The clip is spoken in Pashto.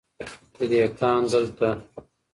چي دهقان دلته